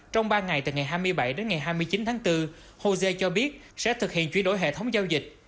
trong ba ngày từ ngày hai mươi bảy đến ngày hai mươi chín tháng bốn hồ dê cho biết sẽ thực hiện chuyển đổi hệ thống giao dịch